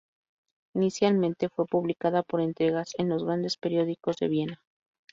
Inicialmente fue publicada por entregas en los grandes periódicos de Viena.